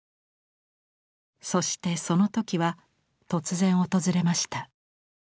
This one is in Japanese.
そしてその時は突然訪れました。